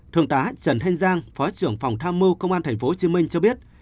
thượng tá trần thanh giang phó trưởng phòng tham mưu công an tp hcm cho biết